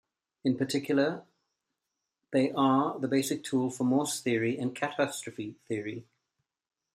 In particular, they are the basic tool for Morse theory and catastrophe theory.